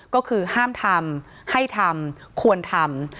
ก็คือห้ามทำให้ทำควรทำ